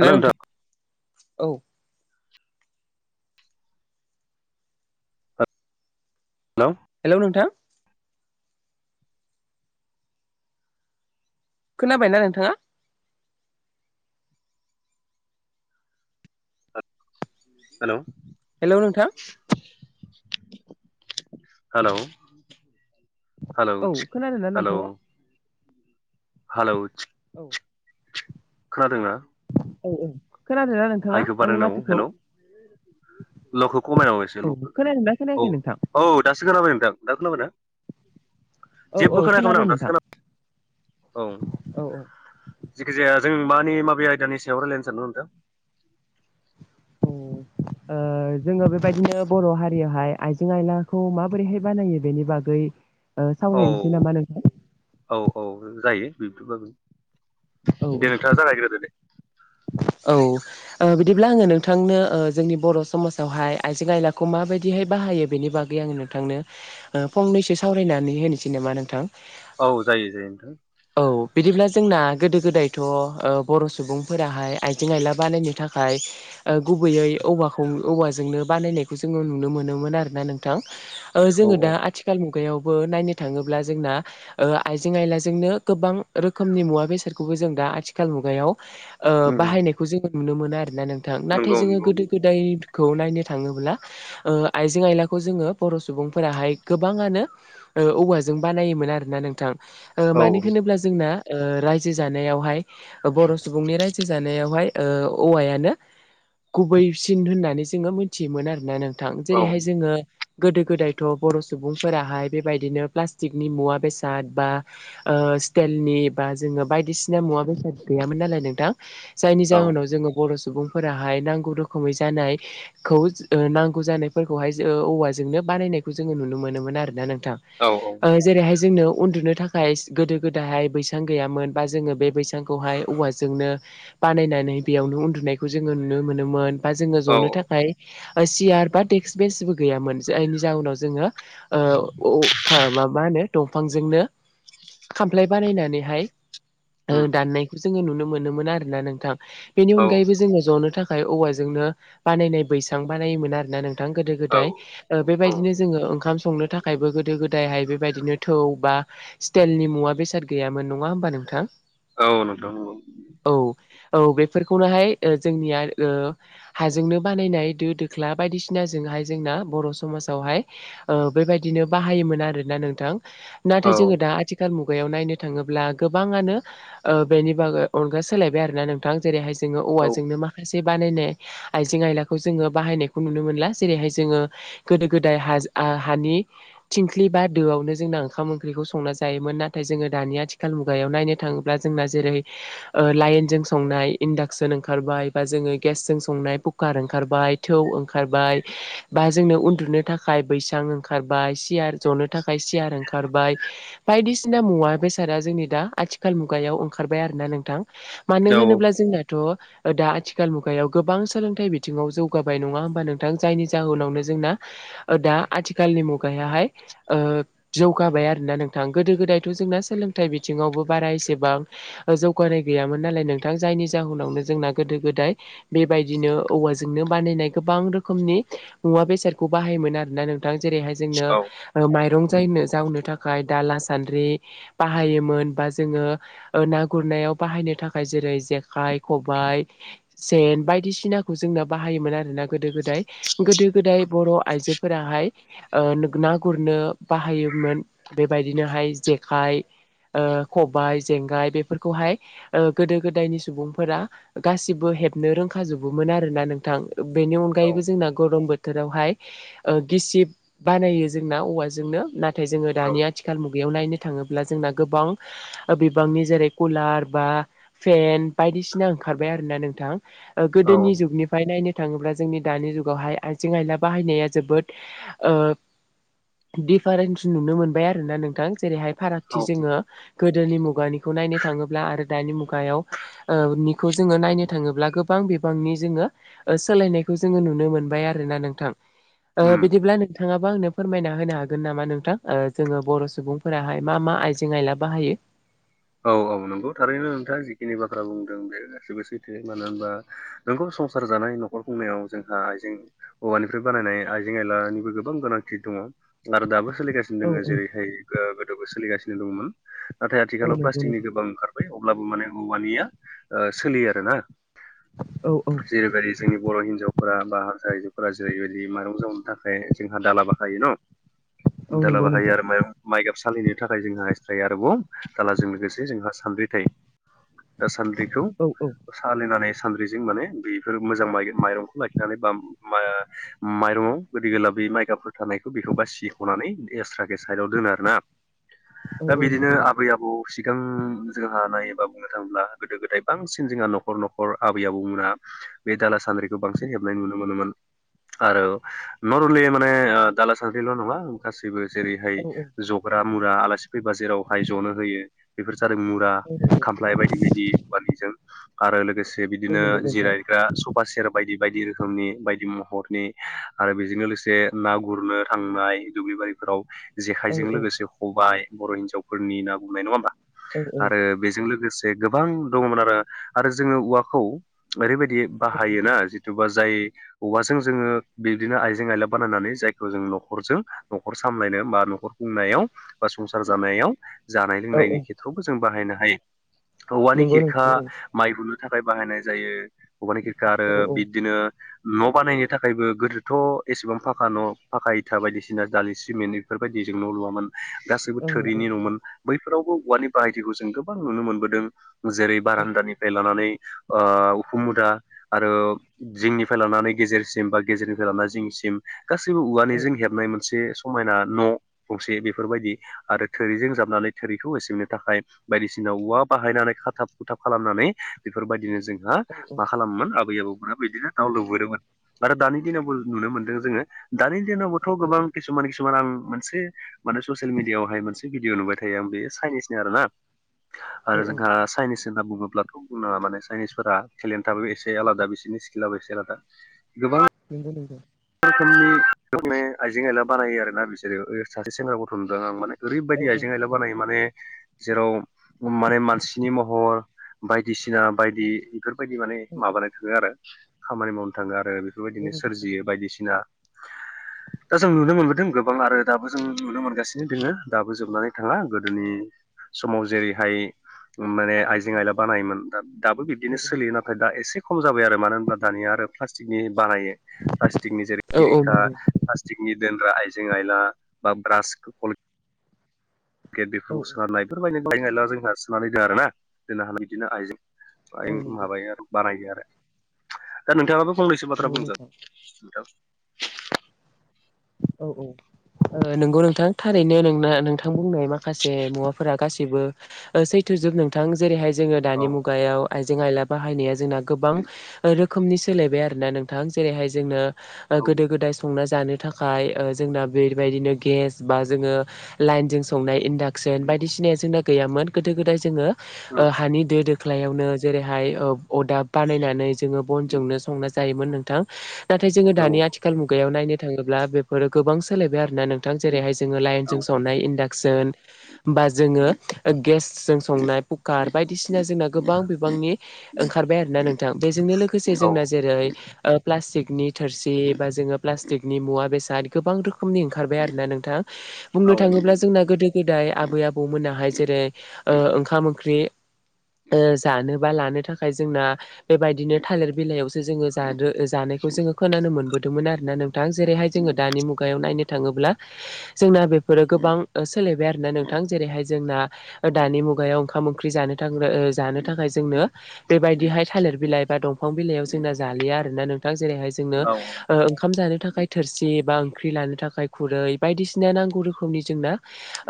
Hello नोंथां औ hello नोंथां खोनाबायना नोंथाङा? हेलौ हेलौ नोंथां। हेलौ हेलौ औ सिक खोनादोंना हेलौ। नोंथाङा हेलौ चीक [inaudible] खोनादोंना? औ औ खोनादों ना नोंथाङा आंनि माथोखौ? लखो खमायाव हो एसे औ लखो खोनादोंना औ खोनायाखै नोंथां औ दासो खोनाबाय। दा दा खोनाबायना? औ जेबो औ खोनायाखैमोन खोनादों आं दासो नोंथां खोनाबाय औ। औ औ जाखि जाया जों मानि माबे आयदानि सायाव रायलायनो सानदों नोंथां? औ ओ जोङो बेबायदिनो बर' हारियावहाय आइजें आयलाखौ माबोरैहाय बानायो बेनि बागै ओ सावरायनसै औ नामा नोंथां? औ औ जायो बिब्दिबो। औ दे औ नोंथाङा जागायग्रोदो दे। औ ओ बिदिब्ला आङो नोंथांनो ओ जोंनि बर' समाजावहाय आइजें आयलाखौ माबायदिहाय बा हायो बेनि बागै आङो नोंथांनो ओ फंनैसो सावरायनानै होनोसै नामा नोंथां? औ जायो जायो नोंथां। औ बिदिब्ला जोंना गोदो गोदायथ ओ बर' सुबुं फोराहाय आइजें आइला बानायनो थाखाय ओ गुबैयै औवाखौ औवाजोंनो बानायनायखौ जोङो नुनो मोनोमोन आरो ना नोंथां। ओ औ जोङो औ दा आथिखाल मु गायावबो नायनो थाङोब्ला जोंना ओ आइें आइलानो गोबां रोखोमनि मुवा बेसारखौबो जों दा आथिखाल मुगायाव ओ उम उम बाहायनायखौ जोङो नुनो मोनो आरोना नोंथां नाथाय नंगौ जोङो नंगौ गोदो गोदाय खौ नायनो थाङोब्ला ओ आइजें आयलाखौ जोङो बर' सुबुंफोराहाय गोबाङानो ओ औवाजों बानायोमोन आरो ना नोंथां। ओ औ मानि होनोब्ला जोंना ओ रायजो जानायावहाय अ बर' सुबुंनि राय जानायावहाय ओ औवायानो गुबैसिन होननानै जोङो मोनथियोमोन आरोना नों थां। औ जेरैहाय जोङो गोदो गोदायथ' बर' सुबुंफोराहाय बेबायदिनो प्लास्टिकनि मुवा बेसाद बा ओ ओ स्टेलनि बा जोङो बायदिसिना मुवा बेसाद गैयामोन नालाय नोंथां। जायनि औ जाहोनाव जोङो बर' सु सुबुंफोराहाय नांगौ रोखोमै जानाय खौ ओ नांगौ जानायफोरखौहाय जो औवाजोंनो बानायनायखौ जोङो नुनो मोनो मोनोमोन आरोना नोंथां। औ ओ जेरैहाय जोंनो उन्दुनो थाखाय गोदो गोदाहाय बैसां गैयामोन बा जोङो बे बैसांखौहाय औवाजोंनो बानायनानै बेयावनो उन्दुनायखौ जोङो नुनो मोनोमोन बा जोङो जनो थाखाय बा सियार बा डेक्स बेसबो गैयामोन। जायनि जाउनाव जोङो ओ औ का मा मा होनो? दं बिफांजोंनो खामफ्लाय बानायनानैहाय ओ दाननायखो जोङो नुनो मोनोमोन आरोना नोंथां बेनि औ अनगायैबो जोङो ज'नो था फाय औवाजोंनो बानायनाय बैसां बानायोमोन आरोना नों थां गोदो औ गोदाय ओ औ बेबायदिनो जोङो ओंखाम संनो थाखायबो गोदो गोद दायहाय बेबायदिनो थौ बा स्टेलनि मुवा बेसाद गैयामोन। नङा होमबा नोंथां? औ नोंगौ नोंगौ। औ औ बेफोरखौनोहाय ओ जोंनिया ओ हाजोंनो बानायनाय दो दोख्लाब बायदिसिनाजोंहाय जोंना बर' समाजावहाय ओ बेबायदिनो बाहायोमोन आरोना नोंथां। औ नाथाय जोङो दा आथिखाल मुगायाव नायनो थाङोब्ला गोबाङानो ओ बेनि बागो अनगा सोलायबाय आरना नोंथां जेरैहाय जोङो औ औवाजोंनो माखासे जे बानायनाय आइजें आइलाखौ जोङो बाहायनायखौ नुनो मोनला जेरैहाय जोङो गोदो गोदाय हाज आ हानि थिंख्लि बा दोआवनो जोंना ओंखाम ओंख्रिखौ संना जायोमोन। नाथाय जोङो दानि आथिखाल मुगायाव नायनो थाङोब्ला जोंना जेरै ओ लाइनजों संनाय इन्डाक्सन ओंखारबाय बा जोङो गेसजों संनाय पुकार ओंखारबाय थौ ओंखारबाय बा जोंनो उन्दुनो थाखाय बैसां ओंखारबाय सियार जनो थाखाय सियार ओंखारबाय बायदिसिना मुवा बेस सादा जोंनि दा आथिखाल मुगायाव ओंखारबाय आरोना नोंथां मानो औ होनोब्ला जोंनाथ' दा आथिखाल मुगायाव गोबां सोलोंथाइ बिथिङाव जौगाबाय नङा होमबा नोंथां? जायनि जाहोनावनो जोंना ओ दा आथिखालनि मुगायाहाय जौगाबाय आरोना नोंथां गोदो गोदायथ' जों दा सोलोंथाय बिथिंआवबो बारा एसेबां जौगानाय गैयामोन नालाय नोंथां जायनि जाहोनावनो जोंना गोदो गोदाय बेबायदिनो औवाजोंनो बानायनाय गोब गोबां रोखोमनि मुवा बेसादखौ बाहायोमोन आरोना नोंथां। जेरैहाय जोंनो औ ओ माइरं जायनो जावनो थाख खाय दाला सान्द्रि बाहायोमोन बा जोङो ओ ना गुरनायाव बाहायनो थाखाय जेरै जेखाइ खबाइ सेन बायदिसिनाखौ जोंना बाहायोमोन आरोना। गोदो गोदाय गोदो गोदाय बर' आइजोफोराहाय ओ ना गुरनो बाहा योमोन बेबायदिनोहाय जेखाय ओ खबाइ जेंगाय बेफोरखौहाय ओ गोदो गोदायनि सुबुंफोरा गासिबो हेबनो रोंखाजोबोमोन आरोना नोंथां। बेनि औ अनगायैबो जोंना गरम बो थोरावहाय गिसिब बानायो जोंना औवाजोंनो नाथाय जोङो औ दानि आथिखालनि बेयाव नायनो थाङोब्ला जोंना गोबां बिबांनि जेरै कुलार बा फेन बायदिसिना ओंखारबाय आरोना नोंथां गोदोनि औ जुगनिफाय नायनो थाङोब्ला जोंनि दानि जुगावहाय आइजें आयला बाहायनाया जोबोद ओ दिफारेन्स नुनो मोनबाय आरो ना नोंथां जेरैहाय फारागथि औ जोङो गोदोनि मुगानिखौ नायनो थाङोब्ला आरो दानि मुगायाव ओ निखौ जोङो नायनो थाङोब्ला गोब गोबां बिबांनि जोङो सोलायनायखौ जोङो नुनो मोनबाय आरोना नोंथां। उम बिदिब्ला नोंथाङा आंनो फोरमायना होनो हागोन नामा नोंथां जोङो बर' सुबुंफोराहाय मा मा आइजें आयला बाहायो औ औ नोंखौ थारैनो नोंथाङा जिखिनि बाथ्रा बुंदों बे गासिबो सैथो मानो होनबा नोंगौ संसार जानाय न'खर खुंनायाव जोंहा आइजें औवानिफ्राय बानायनाय आइजें आयलानिबो गोबां गोनांथि दङ। आरो दाबो सोलिगासिनो औ दङ औ जेरैहाय गोदोबो सोलिगासिनो दङमोन नाथाय औ आथिखालाव नंगौ नों प्लास्टिकनि गोबां ओंखार बाय अब्लाबो माने औवानिया सोलियो आरो ना। औ औ जेरै बायदि जोंनि बर' हिनजाव फ्रा हारसा आइजोफ्रा जेरैबायदि माइरं जावनो थाखाय जोंहा दाला बाहायो न' औ दाला नंगौ बाहायो नोंथां आरो माइ गाब सालिनो थाखाय जोंहा एस्रायै आरोबाव दालाजों लोगोसे जोंहा सानद्रि थायो दा सान्द्रिखौ औ औ सालिनानै सानद्रिजों माने बेफोर मोजां माइरंखौ लाखिनानै बा माइरंआव गोदि गोला बे माइगाबफोर थानायखौ बेखौ बासिख'नानै बे एस्राखो साइडाव दोनो आरोना औ औ नंगौ [unintelligible] सिगां जोंहा नायोबा बुंनो थाङोब्ला गोदो गोदाय बांसिन जोंहा न'खर न'खर आबै आबौमोना बे दाला सान्द्रिखौ बांसिन हेबनाय नुनो मोनोमोन। आरो नरमेलि माने दाला सान्द्रिल' नङा गासैबो जेरैहाय औ औ जग्रा मुरा आलासि फैबा जेरावहाय जनो होयो। बेफोर जादों मुरा नंगौ खामफ्लाय बायदि बायदि बालिजों आरो लोगोसे औ बिदिनो नंगौ नोंथां जिरायग्रा सफा सेर बायदि बायदि रोखोमनि बायदि महरनि आरो बेजोंनो लोगोसे ना गुरनो थांनाय दुब्लिबारि फोराव औ जेखाइजों औ लोगोसे खबाइ बर' हिनजावफोरनि ना गुरनाय नङा होमबा औ औ आरो बेजों लोगोसे जे गोबां दङमोन आरो आरो जोङो औवाखौ ओरैबायदि नंगौ बाहायोना जिथुबा जाय औवाजों जोङो बिदिनो आइजें आयला बानायनानै जायखौ जों न'खरजों न'खर सामलायनो बा नख'र खुंनायाव बा संसार जानाय जानाय औ औ लोंनायनि खेथ्रआवबो जों बाहायनो हायो औवानि नंगौ खिरखा नोंथां औ माइ हुनो थाखाय बाहायनाय जायो औवानि खिरखा आरो औ बिदिनो न' बानायनो थाखायबो गोदोथ' एसेबां फाखा न' फाखा इथा बायदिसिना जालि सामेन्ट इफोरबायदि जों न' लुआमोन गाैसैबो औ नंगौ थोरिनि नोंथां नमोन बैफोरावबो औवानि बाहायथिखौ जों गोबां नुनो मोनबोदों जेरै बारान्दानिफ्राय लानानै उखुमुदा आरो जिंनिफ्राय लानानै गेजेरसिम बा गेजेरनिफ्राय लानानै जिंनिसिम गासैबो औ औवानिजों हेबनाय मोनसे समायना न गंसे बेफोरबायदि आरो थोरिजों जाब नानै थोरिखौ होसिननो थाखाय बायदिसिना औवा बाहायनानै खाथाब खुथाब खालामनानै बेफोरबायदिनो जों मा खालामोन आबै आबौ बिदिनो गाव लुबोदोंमोन आरो दानि दिनावबो नुनो मोनदों जोङो दानि औ बिदिनावबोथ'बां खिसुमान खिसुमान आं मोनसे माने ससियेल मिडिआव हाय मोनसे भिडिअ नुबाय थायो बेयो चाइनिसनो आरो ना औ नंगौ नोंथां औ नंगौ आरो जोंहा चाइनिस होनना बुङोब्लाथ' माने चाइनिसफोरा [unintelligible] एसे आलादा बिसोरनि स्किलाबो एसे आलादा गोबां नंगौ नंगौ रोखोमनि आइजें आइला बानायो आरोना बिसोरो सासे सेंग्रा गथ' नुदों आं माने ओरैबायदि आइजें आयला बानायो माने जेराव माने मानसिनि महर बायदिसिना बायदि बेफोरबायदि माने माबानो थाङो आरो खामानि मावनो थाङो आरो बेफोरबायदिनो सोरजियो बायदिसिना ना दा जों नुनो मोनबोदों गोबां आरो दाबो जों नुनो मोनगासिनो दोङो दाबो जोबनानै थाङा गोदोनि समाव जेरैहाय माने आइजें आयला बानायोमोन दा दाबो बिब्दिनो सोलियो नाथाय दा एसे खम जाबाय आरो मानो होनब्ला दानिया आरो प्लास्टिकनि बानायो प्लाटिकनि जेरै औ औ खिरिखा नंगौ प्लास्टिकनि दोनग्रा आइजें आयला बा ब्रास खल गेट बेफोरखौ सोनारनाय बेफोर बायदि [inaudible] जोंहा सोनानै दो आरोना जोंना हा बिदिनो आइजें [unintelligible] माबायो आरो बानायो आरो दा नोंथाङाबो फंनैसो बाथ्रा बुंदो नोंथां। औ औ ओ नोंगौ नोंथां थारैनो नोंना नोंथां बुंनाय माखासे मुवाफोर रा गासिबो सैथ' ओ जोब नोंथां जेरैहाय जोङो औ दानि मुगायाव आइ जें आइला बाहायनाया जोंना गोबां रोखोमनि सोलायबाय आरोना नोंथां जेरैहाय जोंना ओ औ गोदो गोदाय संना जानो थाखाय खाय ओ जोंना बेबायदिनो गेस बा जोङो लाइनजों संनाय इन्डाक्सन बायदिसिना सिना गैयामोन गोदो गोदाय जोङो ओ हानि दो दोख्लायावनो जेरैहाय ओ अरदाब बानायनानै जोङो बनजोंनो संना जायोमोन नोंथां। नाथाय जोङो औ दानि आथिखाल मुगायाव नायनो थाङो ब्ला बिफोरो गोबां सोलायबाय आरोना नोंथां जेरैहाय जोङो औ लाइनजों संनाय इन्डा सन। होमबा जोङो ओ गेसजों संनाय कुकार बायदिसि सिना जोंना गोबां बिबांनि ओंखारबाय आरोना नोंथां बेजोंनो लोगोसे जोंना औ जेरै प्लास्टिकनि थोरसि बा जोङो प्लास्टिक नि मुवा बेसाद गोबां रोखोमनि ओंखारबाय आरोना नोंथां बुंनो औ थाङोब्ला नंगौ जोंना गोदो गोदाय गोदाय आबै आबौमोनाहाय जेरै ओ ओंखाम ओंख्रि ओ जानो बा लानो थाखाय जोंना बेबायदिनो थालिर बिलाइयावसो जोङो जानो खौ जोङो खोनानो मोनबोदोंमोन आरोना नों नोंथां जेरैहाय जोङो दानि मुगायाव नायनो थाङोब्ला जोंना बेफोरो ओ गोबां सोलायबाय आरोना नोंथां। जेरैहाय जों दानि मुगायाव ओंखाम ओंख्रि जा थाखाय औ जोंनो बेबाय दिहाय थालिर बिलाइ बा दंफां बिलाइयाव जोंना जालिया जेरैहाय जोंनो औ ओ ओंखाम जा नो थाखाय थोरसि बा ओंख्रि लानो थाखाय खुरै बायदिसिना नांगौ रोखोमनि जोंना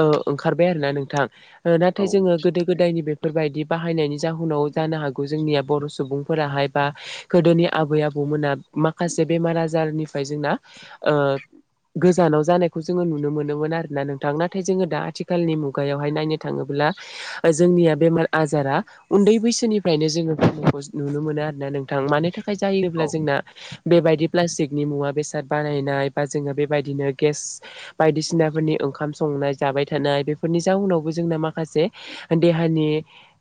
ओ ओंखार बाय आरोना नोंथां। ओ औ नाथाय जोङो गोदो गोदायनि बेफो फोरबायदि बाहायनायनि जाहोनाव जानो हागौ जोंनिया बर' सुबुंफोराहाय बा गोदोनि आबै आबौ मोना माखासे बेमार आजारनिफ्राय जोंना ओ गोजानाव जानायखौ जोङो नुनो मोनोमोन आरोना नोंथां नाथाय जोङो दा आथिखालनि मुगायावहाय नायनो थाङोब्ला ब्ला ओ जोंनिया बेमार आजारा उन्दै बैसोनिफ्रायनो जोङो बु [unintelligible] नुनो मोनो आरोना नों नोंथां। मानि थाखाय औ जायोब्ला जोंना बेबायदि फ्लाष्टिक नि मुवा बेसाद बानायनाय बा जोङो बेबायदिनो गेस बायदिसिनानि ओंखाम संनाय जा बाय थानाय बेफोरनि जाउनावबो जोंना माखासे देहानि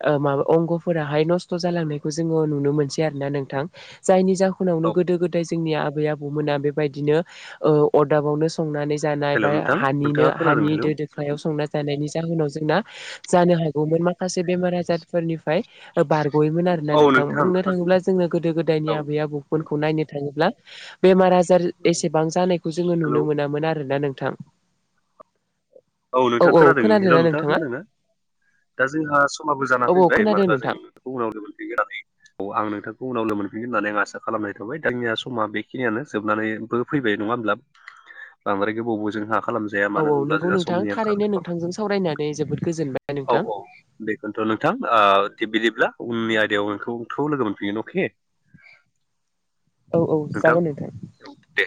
ओ माबा अंगफोराहाय नस्थ' जालांनायखौ जोङो नुनो मोनसै आरोना नोंथां। जायनि जाहुनावनो औ गोदो गोदाय जोंनि आबै आबौमोना बेबायदिनो ओ अरदाबावनो संनानै जानाय हेल' बा नोंथां हानो नोंथाङा खोनादों हानि हेल' दो दोखायाव संना जानायनि जाहोनाव जोंना जानो हा गौमोन माखासे बेमार आजारफोरनिफ्राय ओ बार गयोमोन आर ना औ नोंथां बुंनो खोनादोंना थाङोब्ला जोंना गोदो गोदायनि औ आबै आबौमोनखौ नायनो थाङोब्ला बेमार आजार एसेबां जानायखौ जोङो हेलौ नुनो मोनामोन आरोना नोंथां। औ नोंथाङा खोनादों हेल' नोंथाङा खोनादों ना? दा जोंहा समाबो जाना औ औ फैबाय खोनादों माना जों नोंथां होनबा जों नोंथांखौ उनावनो मोनफैगोननानै औ। आं नोंथांखौ उनावनो मोनफै होननानै आं आसा खालामनाय थाबाय जोंनिया समा बेखिनियानो जोबनानैबो फैबाय नङा होनब्ला? बांद्राय गोबावबो जोंहा खालामजाया औ मानो औ होनब्ला नंगौ जोंहा सम नोंथां नि आंखाल। थारैनो नोंथांजों सावरायनानै जोबोद गोजोनबाय औ नोंथां औ बेखौनोथ' नोंथां ओ दे बिदि ब्ला उननि आयदायाव नोंखौथ लोगो मोनफिगोन। अके। औ औ जागोन नोंथां। दे